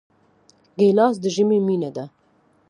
ګیلاس د ژمي مینه ده.